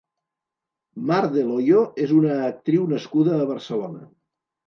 Mar del Hoyo és una actriu nascuda a Barcelona.